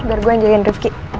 biar gue yang jagain rifki